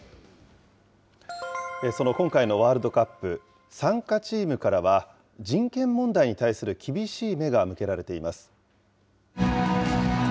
その今回のワールドカップ、参加チームからは、人権問題に対する厳しい目が向けられています。